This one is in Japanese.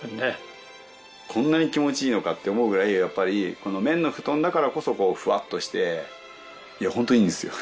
こんなに気持ちいいのかって思うぐらいやっぱり綿の布団だからこそこうふわっとしていやホントいいんすよ